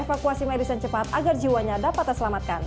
evakuasi medis yang cepat agar jiwanya dapat terselamatkan